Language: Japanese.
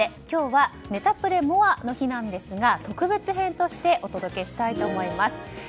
今日はネタプレＭＯＲＥの日なんですが特別編としてお届けしたいと思います。